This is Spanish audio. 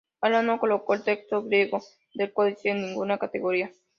Aland no colocó el texto griego del códice en ninguna categoría.